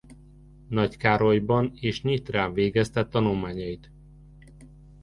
Nagykárolyban és Nyitrán végezte tanulmányait.